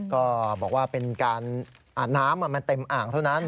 ก็บอกว่าเป็นการอาบน้ำมันเต็มอ่างเท่านั้น